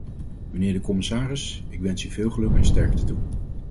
Mijnheer de commissaris, ik wens u veel geluk en sterkte toe.